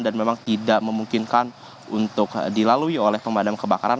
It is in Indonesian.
dan memang tidak memungkinkan untuk dilalui oleh pemadam kebakaran